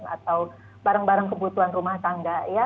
atau barang barang kebutuhan rumah tangga ya